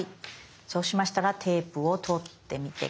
そうしましたらテープを取ってみて下さい。